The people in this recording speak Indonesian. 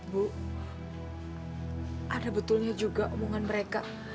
bu ada betulnya juga omongan mereka